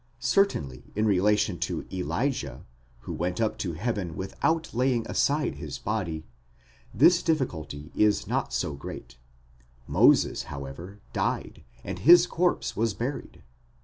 Certainly in relation to Elijah, who went up to heaven without laying aside his body, this difficulty is not so great; Moses, however, died, and his corpse was buried.